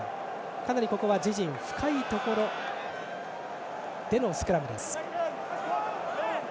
かなりここは自陣深いところでのスクラムです。